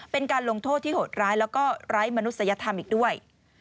เป็นการลงโทษที่โหดร้ายแล้วก็ไร้มนุษยธรรมอีกด้วย